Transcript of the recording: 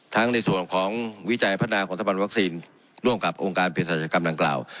ในส่วนของวิจัยพัฒนาของสถาบันวัคซีนร่วมกับองค์การเพศศาจกรรมดังกล่าว